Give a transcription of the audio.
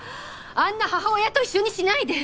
あんな母親と一緒にしないで！